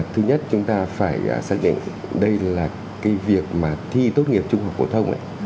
thứ nhất chúng ta phải xác định đây là cái việc mà thi tốt nghiệp trung học phổ thông ấy